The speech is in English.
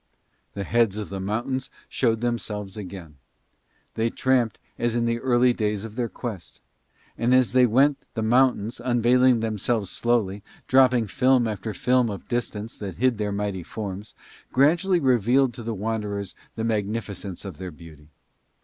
The heads of the mountains showed themselves again. They tramped as in the early days of their quest. And as they went the mountains, unveiling themselves slowly, dropping film after film of distance that hid their mighty forms, gradually revealed to the wanderers the magnificence of their beauty.